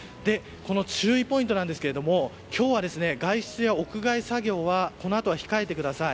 注意ポイントなんですけれども今日は外出や屋外作業はこのあとは控えてください。